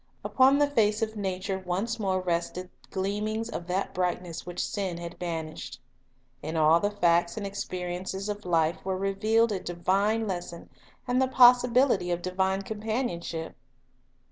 Upon the face of nature once more rested gleamings of that brightness which sin had banished. with Us" The Teacher Sent from God 83 In all the facts and experiences of life were revealed a divine lesson and the possibility of divine compan ionship.